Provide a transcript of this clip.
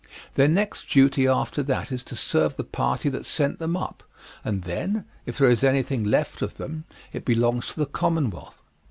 Their next duty after that is to serve the party that sent them up, and then, if there is anything left of them, it belongs to the commonwealth.